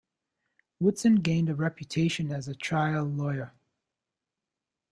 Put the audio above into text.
Woodson gained a reputation as a trial lawyer.